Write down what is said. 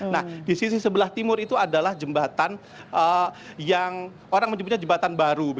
nah di sisi sebelah timur itu adalah jembatan yang orang menyebutnya jembatan baru